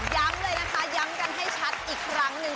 ย้ำเลยนะคะย้ำกันให้ชัดอีกครั้งหนึ่ง